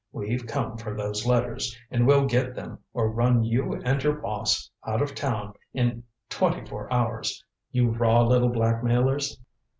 We've come for those letters and we'll get them or run you and your boss out of town in twenty four hours you raw little blackmailers!"